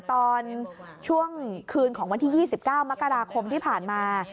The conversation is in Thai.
ตอนช่วงคืนของวันที่๒๙มกราคมที่ผ่านมา